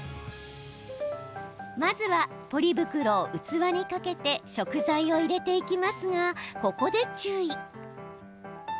まずは、ポリ袋を器にかけて食材を入れていきますがここで注意！